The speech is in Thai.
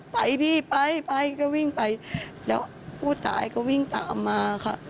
ไปพี่ไปไปก็วิ่งไปแล้วผู้ตายก็วิ่งตามมาค่ะ